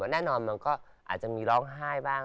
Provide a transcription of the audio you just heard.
แน่นอนมันก็อาจจะมีร้องไห้บ้าง